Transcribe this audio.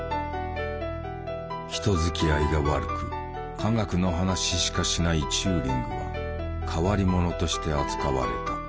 人づきあいが悪く科学の話しかしないチューリングは変わり者として扱われた。